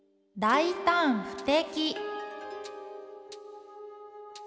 「大胆不敵」。